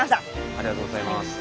ありがとうございます。